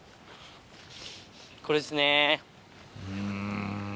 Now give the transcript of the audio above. これですね。